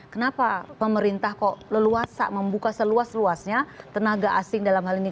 kenapa pemerintah kok leluasa membuka seluas luasnya tenaga asing dalam hal ini